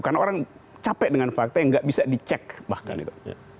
karena orang capek dengan fakta yang gak bisa dicek bahkan itu